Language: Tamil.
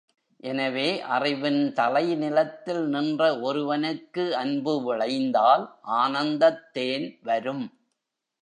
எனவே, அறிவின் தலைநிலத்தில் நின்ற ஒருவனுக்கு அன்பு விளைந்தால் ஆனந்தத் தேன் வரும்.